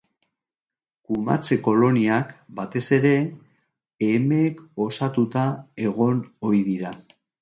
Kumatze-koloniak, batez ere, emeek osatuta egon ohi dira.